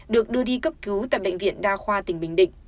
được đưa đi cấp cứu tại bệnh viện đa khoa tỉnh bình định